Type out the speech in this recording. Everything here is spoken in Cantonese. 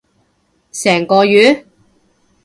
成個月？